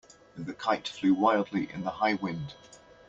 The kite flew wildly in the high wind.